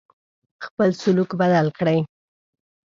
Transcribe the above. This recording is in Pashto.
خپل سلوک بدل کړی.